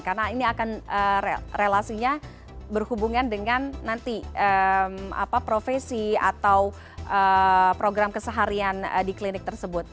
karena ini akan relasinya berhubungan dengan nanti profesi atau program keseharian di klinik tersebut